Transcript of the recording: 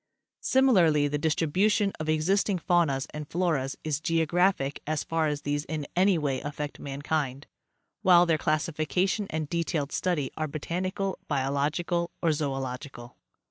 Similarly the distribution of existing faunas and floras is geographic as far as these in any way affect mankind, while their classification and detailed study are botanical, biological or zodlogical.